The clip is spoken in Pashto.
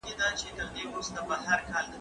زه پرون ونې ته اوبه ورکړې!؟